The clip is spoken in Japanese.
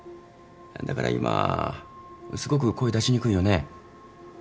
だから今すごく声出しにくいよね。